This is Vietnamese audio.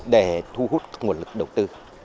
để thu hút nguồn lực đầu tư